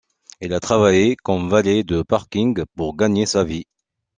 Il a travaillé comme valet de parking pour gagner sa vie.